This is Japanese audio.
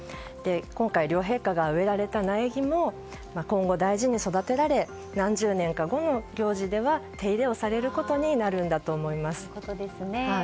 今回、両陛下が植えられた苗木も大事に育てられ何十年か後の行事では手入れをされることになるんだと思います。